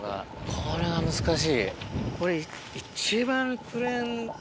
これは難しい。